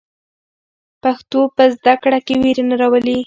پښتو په زده کړه کې وېره نه راولي.